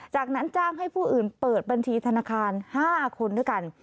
จากนั้นจ้างให้ผู้อื่นเปิดบัญชีธนาคาร๕คนด้วยกัน